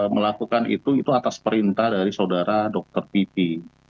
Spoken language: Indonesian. melakukan itu itu atas perintah dari saudara dr pipi